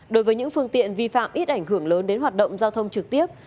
đối với những phương tiện vi phạm ít ảnh hưởng lớn đến hoạt động giao thông trực tiếp